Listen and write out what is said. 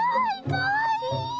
かわいい！